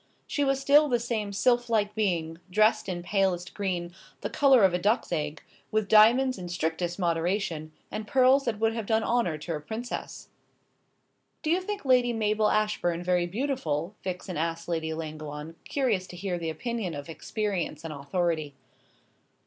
She was still the same sylph like being, dressed in palest green, the colour of a duck's egg, with diamonds in strictest moderation, and pearls that would have done honour to a princess. "Do you think Lady Mabel Ashbourne very beautiful?" Vixen asked Lady Ellangowan, curious to hear the opinion of experience and authority.